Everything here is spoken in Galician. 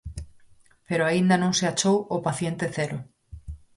Pero aínda non se achou o paciente cero.